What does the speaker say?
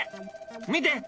見て！